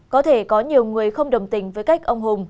có thể có nhiều người không đồng tình với cách ông hùng